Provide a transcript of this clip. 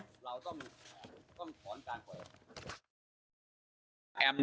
เราต้องขออนุญาตกัน